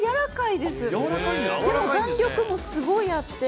でも弾力もすごいあって。